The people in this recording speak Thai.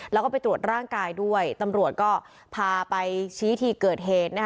แล้วก็ไปตรวจร่างกายด้วยตำรวจก็พาไปชี้ที่เกิดเหตุ